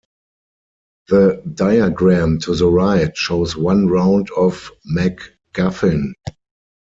The diagram to the right shows one round of MacGuffin.